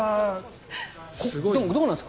でも、どうなんですか？